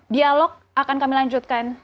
dialog akan kami lanjutkan